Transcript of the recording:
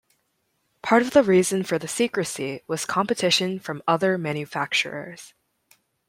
Part of the reason for the secrecy was competition from other manufacturers.